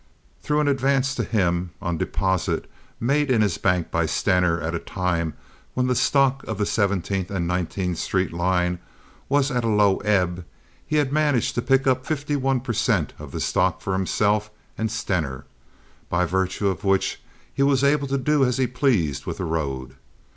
Through an advance to him, on deposit, made in his bank by Stener at a time when the stock of the Seventeenth and Nineteenth Street line was at a low ebb, he had managed to pick up fifty one per cent. of the stock for himself and Stener, by virtue of which he was able to do as he pleased with the road.